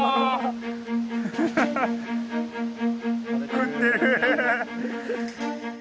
食ってる！